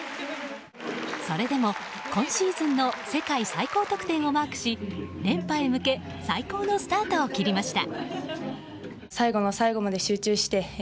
それでも、今シーズンの世界最高得点をマークし連覇へ向け最高のスタートを切りました。